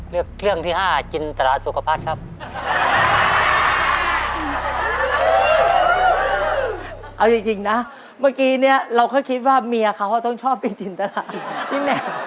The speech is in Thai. เรียกเรื่องที่๕จินตราสุขภัศจริงนะเมื่อกี้เนี่ยเราค่อยคิดว่าเมียเขาต้องชอบไปจินตรา